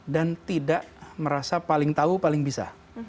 dan tidak merasa paling tahu paling bisa